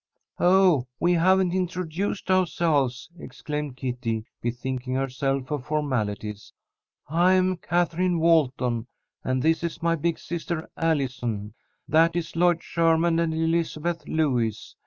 "Oh, we haven't introduced ourselves," exclaimed Kitty, bethinking herself of formalities. "I am Katherine Walton, and this is my big sister, Allison. That is Lloyd Sherman and Elizabeth Lewis.